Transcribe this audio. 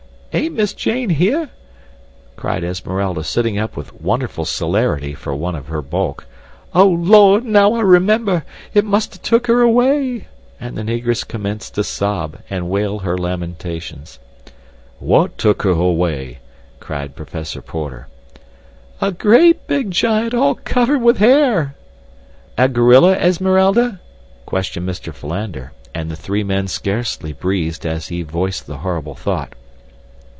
"Ain't Miss Jane here?" cried Esmeralda, sitting up with wonderful celerity for one of her bulk. "Oh, Lord, now I remember! It must have took her away," and the Negress commenced to sob, and wail her lamentations. "What took her away?" cried Professor Porter. "A great big giant all covered with hair." "A gorilla, Esmeralda?" questioned Mr. Philander, and the three men scarcely breathed as he voiced the horrible thought.